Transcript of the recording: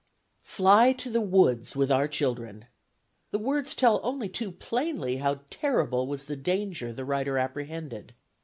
"Fly to the woods with our children"! The words tell only too plainly how terrible was the danger the writer apprehended.